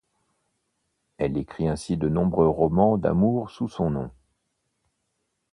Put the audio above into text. Elle écrit ainsi de nombreux romans d'amour sous son nom.